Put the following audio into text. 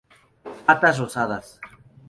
Patas rosadas.